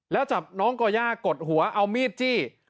แล้วจับน้องก่อย่ากดหัวเอามีดจี้